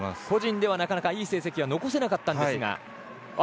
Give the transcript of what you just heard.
個人ではなかなかいい成績は残せなかったんですが。